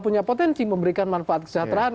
punya potensi memberikan manfaat kesejahteraan